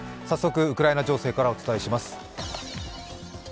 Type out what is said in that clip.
早速、ウクライナ情勢からお伝えします。